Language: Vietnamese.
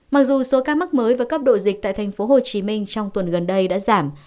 mặc dù số ca mắc mới và cấp độ dịch tại tp hcm trong tuần gần đây đã giảm